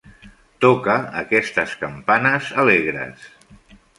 Toca aquestes campanes alegres.